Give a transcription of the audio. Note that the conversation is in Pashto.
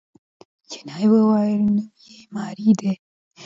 نجلۍ وويل چې نوم يې ماريا دی.